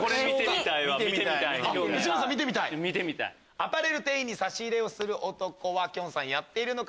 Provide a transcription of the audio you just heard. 「アパレル店員に差し入れをする男」はやっているのか？